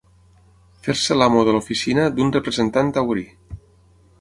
Fer-se l'amo de l'oficina d'un representant taurí.